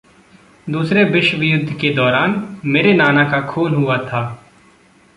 दूसरे विश्वयुद्ध के दौरान मेरे नाना का खून हुआ था।